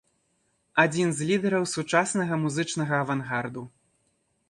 Адзін з лідараў сучаснага музычнага авангарду.